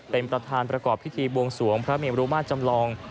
เป็นประธานประกอบพิธีบวงสวงพระเมรุมาตรจำลอง